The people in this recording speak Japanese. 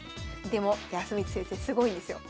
でも康光先生すごいんですよ。